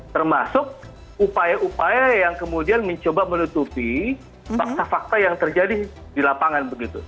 termasuk upaya upaya yang kemudian mencoba menutupi fakta fakta yang terjadi di lapangan begitu